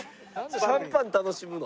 シャンパン楽しむの？